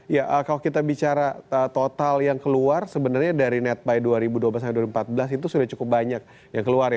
ya kalau kita bicara total yang keluar sebenarnya dari netbuy dua ribu dua belas sampai dua ribu empat belas itu sudah cukup banyak yang keluar ya